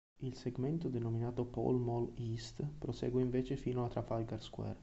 Il segmento denominato Pall Mall East prosegue invece fino a Trafalgar Square.